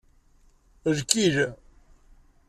Ikil.